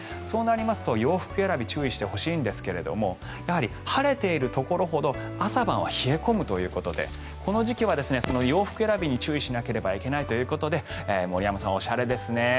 そうなりますと洋服選びに注意してほしいんですがやはり晴れているところほど朝晩は冷え込むということでこの時期は洋服選びに注意しなければいけないということで森山さん、おしゃれですね。